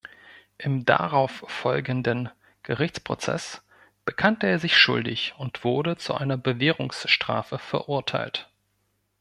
Im darauffolgenden Gerichtsprozess bekannte er sich schuldig und wurde zu einer Bewährungsstrafe verurteilt.